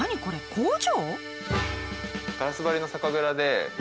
工場？